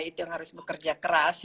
itu yang harus bekerja keras